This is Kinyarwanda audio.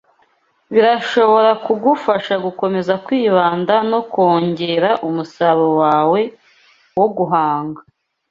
birashobora kugufasha gukomeza kwibanda no kongera umusaruro wawe wo guhanga